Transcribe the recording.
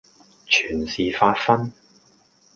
全是發昏；